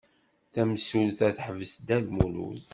Tamsulta teḥbes Dda Lmulud.